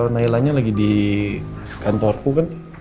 nailanya lagi di kantorku kan